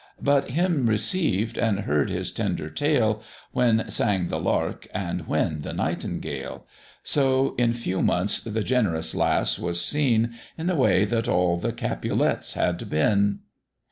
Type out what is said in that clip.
But him received, and heard his tender tale, When sang the lark, and when the nightingale; So in few months the generous lass was seen I' the way that all the Capulets had been.